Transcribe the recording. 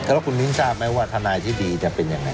แล้วคุณมิ้นทราบไหมว่าทนายที่ดีจะเป็นยังไง